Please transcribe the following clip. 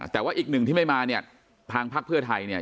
แต่ว่าอีกหนึ่งที่ไม่มาเนี่ย